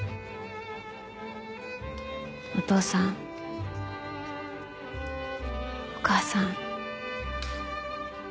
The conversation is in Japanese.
お父さんお母さん